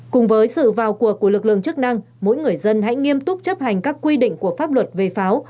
cùng với sự vào cuộc của lực lượng chức năng mỗi người dân hãy nghiêm túc chấp hành các quy định của pháp luật về pháo